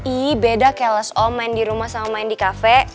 ih beda kelas om main di rumah sama main di cafe